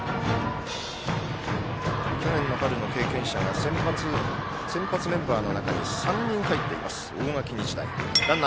去年の春の経験者が先発メンバーの中に３人、入っています、大垣日大。